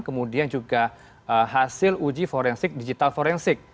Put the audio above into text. kemudian juga hasil uji forensik digital forensik